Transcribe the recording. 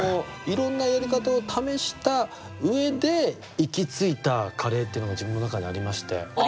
いろんなやり方を試した上で行き着いたカレーっていうのが自分の中にありまして。